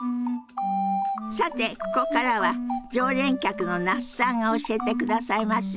さてここからは常連客の那須さんが教えてくださいますよ。